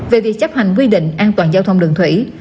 về việc chấp hành quy định an toàn giao thông đường thủy